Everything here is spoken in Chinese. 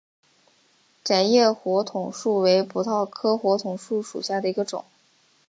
窄叶火筒树为葡萄科火筒树属下的一个种。